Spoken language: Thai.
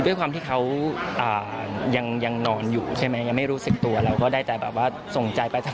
ด้วยความที่เขายังนอนอยู่ใช่ไหมยังไม่รู้สึกตัวเราก็ได้แต่แบบว่าส่งใจไป